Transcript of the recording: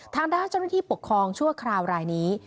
ทางด้านเจ้าหน้าที่ปกครองชั่วคราวรายนี้